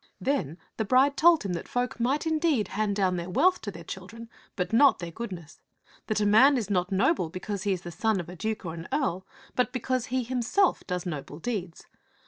Then the bride told him that folk might indeed hand down their wealth to their children, but not their goodness ; that a man is not noble because he is the son of a duke or an earl, but because he himself does noble deeds.